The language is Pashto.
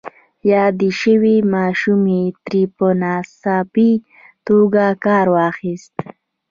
يادې شوې ماشومې ترې په ناڅاپي توګه کار واخيست.